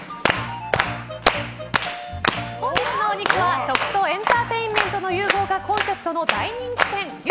本日のお肉は食とエンターテインメントの融合がコンセプトの大人気店牛